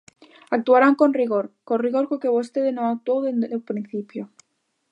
Actuarán con rigor, co rigor co que vostede non actuou dende o principio.